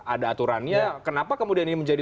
ada aturannya kenapa kemudian ini menjadi